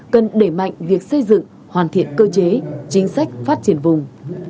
cần đẩy mạnh việc xây dựng hoàn thiện cơ chế chính sách phát triển vùng